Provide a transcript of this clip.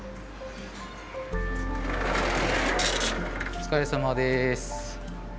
お疲れさまです。